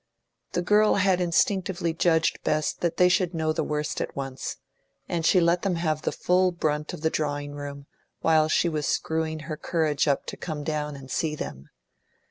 The girl had instinctively judged best that they should know the worst at once, and she let them have the full brunt of the drawing room, while she was screwing her courage up to come down and see them.